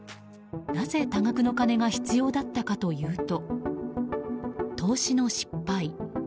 なぜ多額の金が必要だったかというと投資の失敗。